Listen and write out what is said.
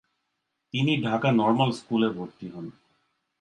তিনি ঢাকা নর্মাল স্কুলে ভর্তি হন।